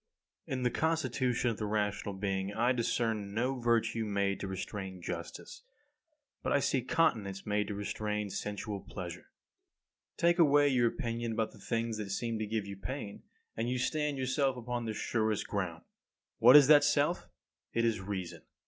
39. In the constitution of the rational being I discern no virtue made to restrain justice; but I see continence made to restrain sensual pleasure. 40. Take away your opinion about the things that seem to give you pain, and you stand yourself upon the surest ground. What is that self? It is reason.